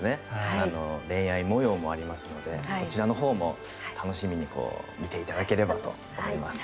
恋愛模様もありますのでそちらのほうも楽しみに見ていただければと思います。